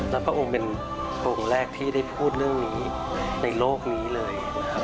แล้วพระองค์เป็นองค์แรกที่ได้พูดเรื่องนี้ในโลกนี้เลย